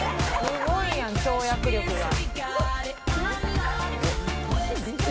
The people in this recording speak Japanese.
すごいやん、跳躍力が。